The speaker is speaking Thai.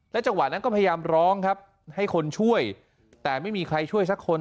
จังหวะนั้นก็พยายามร้องครับให้คนช่วยแต่ไม่มีใครช่วยสักคน